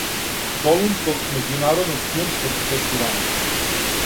Солунског међународног филмског фестивала.